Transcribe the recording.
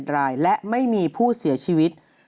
๑รายและไม่มีผู้เสียชีวิต